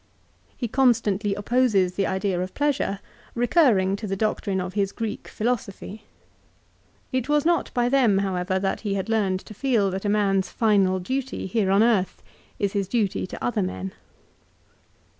2 He constantly opposes the idea of pleasure, recurring to the doctrine of his Greek philosophy. It was not by them, however, that he had learned to feel that a man's final duty here on earth is his duty to other men.